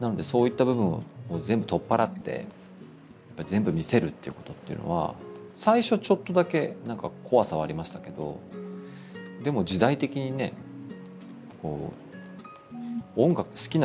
なのでそういった部分を全部とっぱらって全部見せるっていうことっていうのは最初ちょっとだけなんか怖さはありましたけどでも時代的にね好きな曲を。